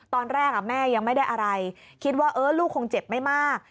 ตอนแรกแม่ยังไม่ได้อะไรคิดว่าลูกคงเจ็บไม่มาก